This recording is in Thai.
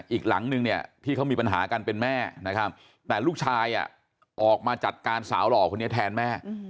อีกหลังนึงเนี่ยที่เขามีปัญหากันเป็นแม่นะครับแต่ลูกชายออกมาจัดการสาวหล่อคนนี้แทนแม่